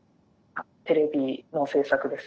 テレビの制作です。